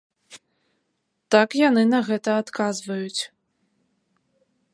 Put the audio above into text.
Так яны на гэта адказваюць.